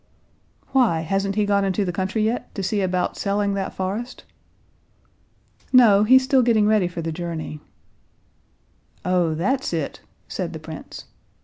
"Why, hasn't he gone into the country yet—to see about selling that forest?" "No, he's still getting ready for the journey." "Oh, that's it!" said the prince.